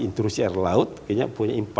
intrusi air laut punya impara